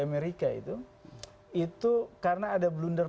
amerika itu itu karena ada blunder